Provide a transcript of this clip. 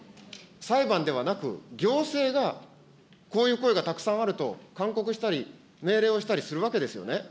裁判ではなく、行政が、こういう声がたくさんあると、勧告したり、命令をしたりするわけですよね。